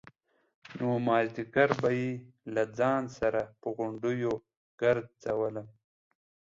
نو مازديگر به يې له ځان سره پر غونډيو گرځولم.